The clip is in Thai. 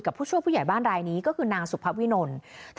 ผู้ช่วยผู้ใหญ่บ้านรายนี้ก็คือนางสุภวินล